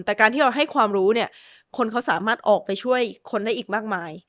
แต่การที่เราให้ความรู้เนี่ยคนเขาสามารถออกไปช่วยคนได้อีกมากมาย